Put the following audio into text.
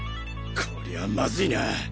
こりゃあまずいな。